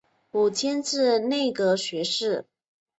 五迁至内阁学士。